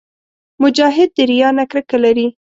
مجاهد د ریا نه کرکه لري.